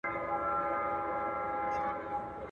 سترګي له نړۍ څخه پټي کړې !.